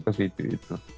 masuk ke situ itu